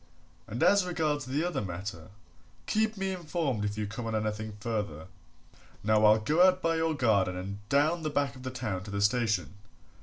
And as regards the other matter keep me informed if you come on anything further. Now I'll go out by your garden and down the back of the town to the station.